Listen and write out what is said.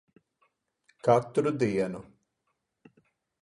Katru dienu.